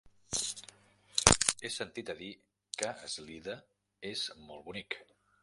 He sentit a dir que Eslida és molt bonic.